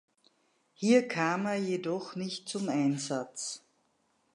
Hier kam er jedoch nicht zum Einsatz.